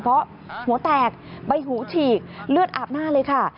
เพราะหัวแตกใบหูฉีกเลือดอาบหน้าเลยค่ะ